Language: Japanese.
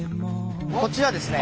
こちらですね。